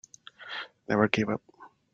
Never give up.